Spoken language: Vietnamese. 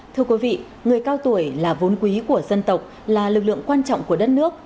thưa quý vị người cao tuổi là vốn quý của dân tộc là lực lượng quan trọng của đất nước